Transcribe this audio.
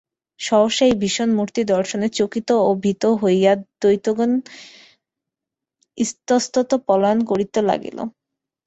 সহসা এই ভীষণ মূর্তি দর্শনে চকিত ও ভীত হইয়া দৈত্যগণ ইতস্তত পলায়ন করিতে লাগিল।